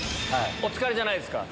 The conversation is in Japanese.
お疲れじゃないですか？